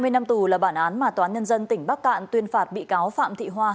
hai mươi năm tù là bản án mà toán nhân dân tỉnh bắc cạn tuyên phạt bị cáo phạm thị hoa